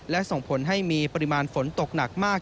และส่งผลให้มีปริมาณฝนตกหนักมาก